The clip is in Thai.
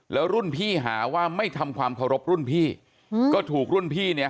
แล้วรุ่นพี่หาว่าไม่ทำความเคารพรุ่นพี่ก็ถูกรุ่นพี่เนี่ย